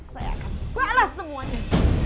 saya akan balas semuanya